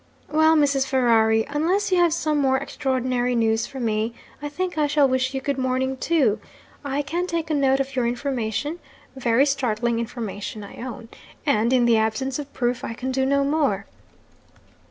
'Well, Mrs. Ferrari, unless you have some more extraordinary news for me, I think I shall wish you good morning too. I can take a note of your information (very startling information, I own); and, in the absence of proof, I can do no more.'